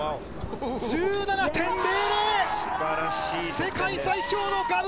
１７．００。